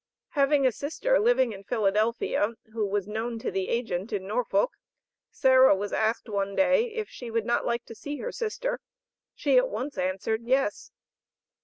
Having a sister living in Philadelphia, who was known to the agent in Norfolk, Sarah was asked one day if she would not like to see her sister. She at once answered "Yes."